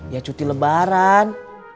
ya cuti lebaran